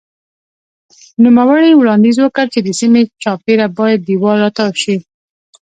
نوموړي وړاندیز وکړ چې د سیمې چاپېره باید دېوال راتاو شي.